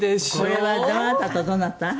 これはどなたとどなた？